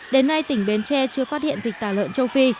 đến nay tỉnh bến tre chưa phát hiện dịch tả lợn châu phi